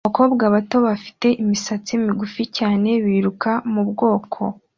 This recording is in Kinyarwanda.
Abakobwa bato bafite imisatsi migufi cyane biruka mubwoko